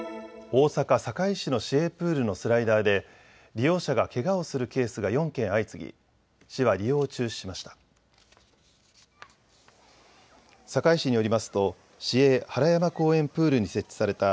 大阪堺市の市営プールのスライダーで利用者がけがをするケースが４件相次ぎ市は利用を中止しました。